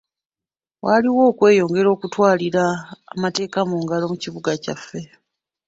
Waliwo okweyongera mu kutwalira amateeka mu ngalo mu kibuga kyaffe.